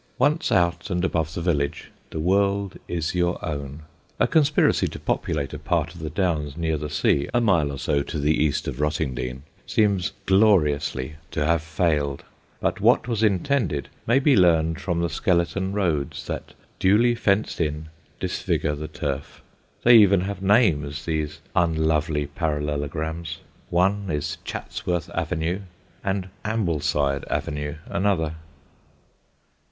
Once out and above the village, the world is your own. A conspiracy to populate a part of the Downs near the sea, a mile or so to the east of Rottingdean, seems gloriously to have failed, but what was intended may be learned from the skeleton roads that, duly fenced in, disfigure the turf. They even have names, these unlovely parallelograms: one is Chatsworth Avenue, and Ambleside Avenue another.